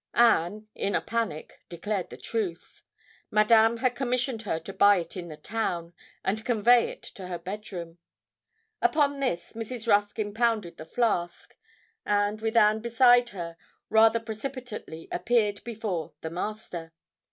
Anne, in a panic, declared the truth. Madame had commissioned her to buy it in the town, and convey it to her bed room. Upon this, Mrs. Rusk impounded the flask; and, with Anne beside her, rather precipitately appeared before 'the Master.'